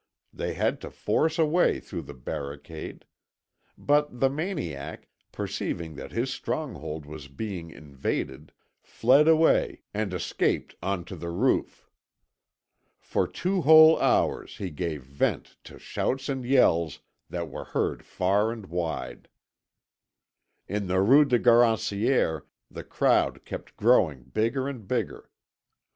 They had to force a way through the barricade. But the maniac, perceiving that his stronghold was being invaded, fled away and escaped on to the roof. For two whole hours he gave vent to shouts and yells that were heard far and wide. In the Rue Garancière the crowd kept growing bigger and bigger.